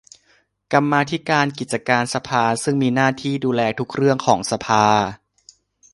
กรรมาธิการกิจการสภาซึ่งมีหน้าที่ดูแลทุกเรื่องของสภา